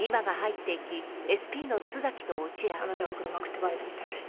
あなたが黒幕ってバレたみたい。